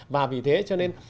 và vì thế cho nên